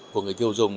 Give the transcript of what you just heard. của người tiêu dùng